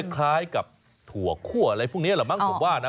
คล้ายกับถั่วคั่วอะไรพวกนี้แหละมั้งผมว่านะ